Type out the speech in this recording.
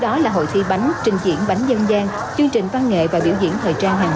đó là hội thi bánh trình diễn bánh dân gian chương trình văn nghệ và biểu diễn thời trang hàng